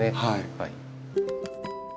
はい。